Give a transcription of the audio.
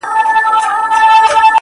• نور دي نو شېخاني كيسې نه كوي ـ